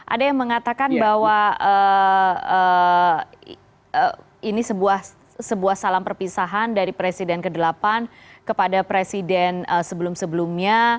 ada yang mengatakan bahwa ini sebuah salam perpisahan dari presiden ke delapan kepada presiden sebelum sebelumnya